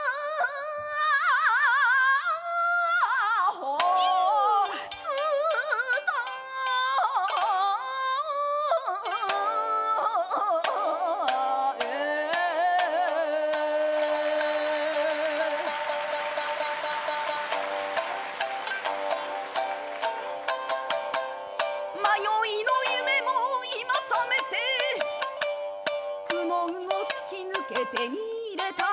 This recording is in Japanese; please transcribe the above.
「頬を伝う」「迷いの夢も今覚めて」「苦悩を突き抜け手に入れた」